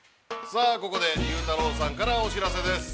◆さあ、ここでゆうたろうさんからお知らせです。